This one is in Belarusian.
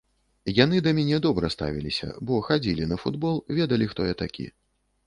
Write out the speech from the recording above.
Яны да мяне добра ставіліся, бо хадзілі на футбол, ведалі, хто я такі.